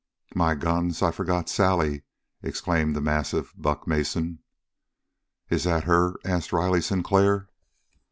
"My guns, I'd forgot Sally!" exclaimed the massive Buck Mason. "Is that her?" asked Riley Sinclair.